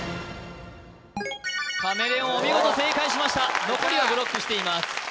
カメレオンお見事正解しました残りはブロックしています